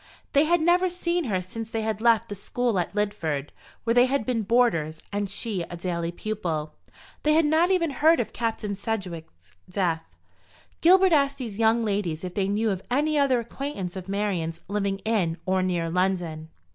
They had never seen her since they had left the school at Lidford, where they had been boarders, and she a daily pupil. They had not even heard of Captain Sedgewick's death. Gilbert asked these young ladies if they knew of any other acquaintance of Marian's living in or near London.